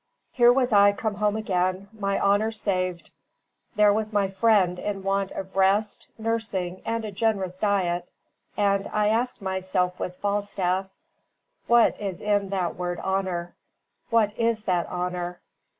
Here was I come home again, my honour saved; there was my friend in want of rest, nursing, and a generous diet; and I asked myself with Falstaff, "What is in that word honour? what is that honour?"